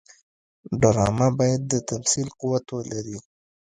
ډرامه باید د تمثیل قوت ولري